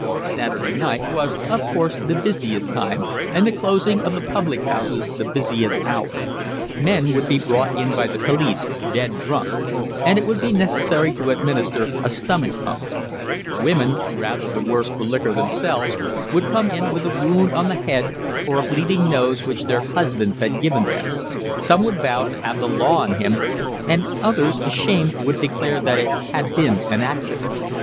Saturday night was of course the busiest time and the closing of the public houses the busiest hour. Men would be brought in by the police dead drunk and it would be necessary to administer a stomach pump; women, rather the worse for liquor themselves, would come in with a wound on the head or a bleeding nose which their husbands had given them: some would vow to have the law on him, and others, ashamed, would declare that it had been an accident.